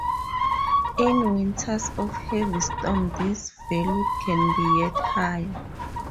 In winters of heavy storms this value can be yet higher.